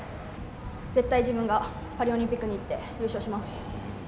絶対自分がパリオリンピックに行って優勝します。